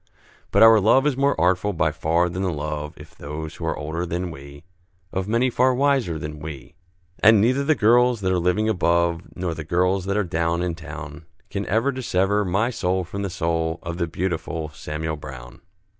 But our love is more artful by far than the love If those who are older than we, Of many far wiser than we, And neither the girls that are living above, Nor the girls that are down in town, Can ever dissever my soul from the soul Of the beautiful Samuel Brown.